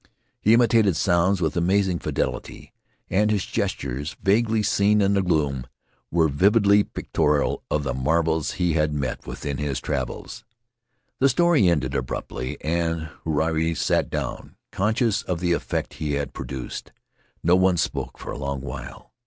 He imitated sounds with amazing fidelity, and his gestures, vaguely seen in the gloom, were vividly pictorial of the marvels he had met with in his travels. The story ended abruptly and Huirai sat down, con scious of the effect he had produced. No one spoke for a long while.